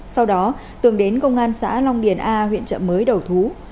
sau đó tường đến công an xã long điền a huyện trợ mới đầu thú